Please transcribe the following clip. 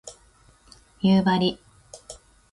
夕張